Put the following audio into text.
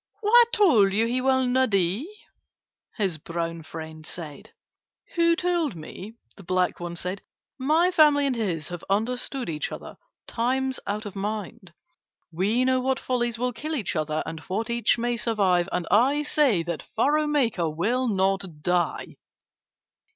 "Who told you he will not die?" his brown friend said. "Who told me!" the black one said. "My family and his have understood each other times out of mind. We know what follies will kill each other and what each may survive, and I say that furrow maker will not die."